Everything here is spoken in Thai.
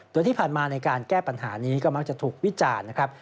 โดยที่ผ่านมาในการแก้ปัญหานี้ก็มักจะถูกวิจารณ์นะครับ